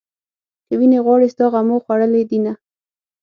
که وينې غواړې ستا غمو خوړلې دينه